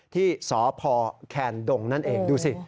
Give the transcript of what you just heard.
ที่สพแคนดงนั่นเองดูสิ